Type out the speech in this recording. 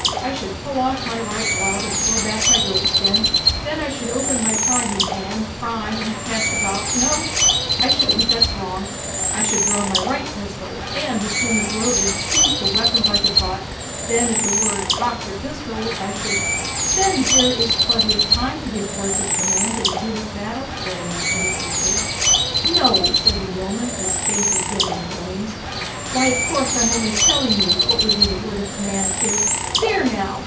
I should pull off my right glove, and throw back my goat skin; then I should open my priming pan, prime, and cast about no, I shouldn't, that's wrong; I should draw my right pistol, and as soon as loaded, seize the weapon by the butt; then at the word "Cock your pistol" I should ' 'Then there is plenty of time to give such words of command in the heat of battle?' said Anne innocently. 'No!' said the yeoman, his face again in flames. 'Why, of course I am only telling you what would be the word of command if there now!